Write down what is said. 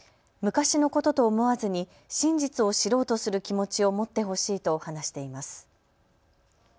昔のことと思わずに真実を知ろうとする気持ちを持ってほしいと話しています。